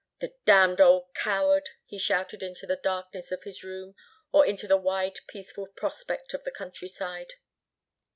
"The damned old coward," he shouted into the darkness of his room or into the wide peaceful prospect of the countryside.